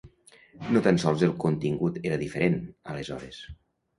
No tan sols el contingut era diferent, aleshores.